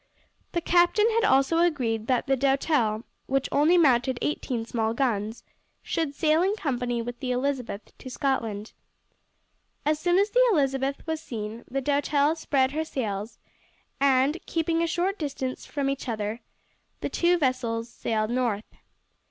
The captain had also agreed that the Doutelle, which only mounted eighteen small guns, should sail in company with the Elizabeth to Scotland. As soon as the Elizabeth was seen the Doutelle spread her sails, and keeping a short distance from each other, the two vessels sailed north.